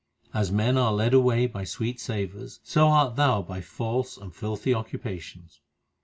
As men are led away by sweet savours, so art thou by false and filthy occupations.